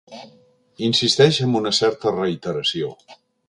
Insisteixi amb una certa reiteració.